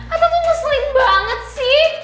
atau tuh ngeselin banget sih